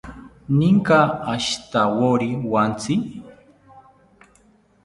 ¿Ninka ashitawori wantsi?